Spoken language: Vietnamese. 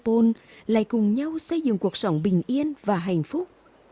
người dân đối bờ xepôn lại cùng nhau xây dựng cuộc sống bình yên và hạnh phúc